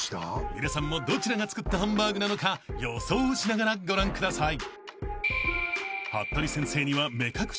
［皆さんもどちらが作ったハンバーグなのか予想をしながらご覧ください］